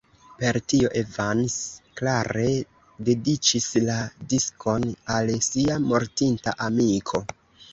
Per tio Evans klare dediĉis la diskon al sia mortinta amiko.